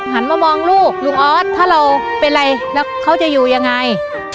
หันมามองลูกลุงออสถ้าเราเป็นไรแล้วเขาจะอยู่ยังไง